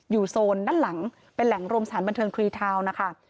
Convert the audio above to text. อยู่โซนด้านหลังเป็นแหล่งรวมสถานบันเทิงครีเทา